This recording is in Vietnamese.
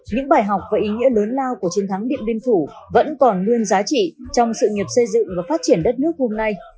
những bài học và ý nghĩa lớn lao của chiến thắng điện biên phủ vẫn còn nguyên giá trị trong sự nghiệp xây dựng và phát triển đất nước hôm nay